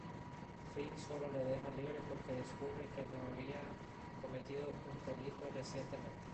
Finn sólo le deja libre porque descubre que no había cometido un delito recientemente.